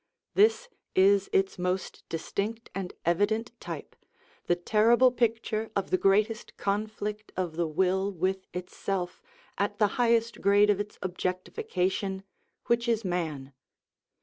This is its most distinct and evident type, the terrible picture of the greatest conflict of the will with itself at the highest grade of its objectification, which is man.